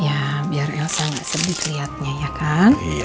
iya biar elsa nggak sedih kelihatannya ya kan